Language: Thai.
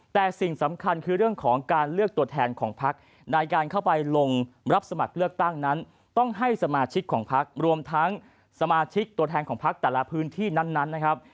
แต่สิ่งสำคัญคือเรื่องของการเลือกตัวแทนของพักในการเข้าไปลงรับสมัครเลือกตั้งนั้นต้องให้สมาชิกของพักรวมทั้งสมาชิกตัวแทนของพักแต่ละพื้นที่นั้นนะครับ